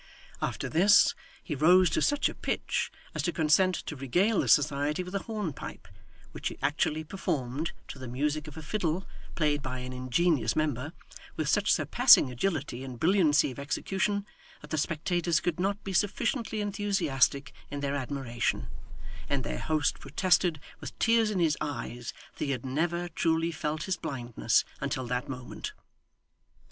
After this, he rose to such a pitch as to consent to regale the society with a hornpipe, which he actually performed to the music of a fiddle (played by an ingenious member) with such surpassing agility and brilliancy of execution, that the spectators could not be sufficiently enthusiastic in their admiration; and their host protested, with tears in his eyes, that he had never truly felt his blindness until that moment.